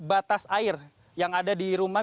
batas air yang ada di rumah